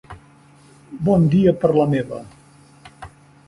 Bon dia per la meva.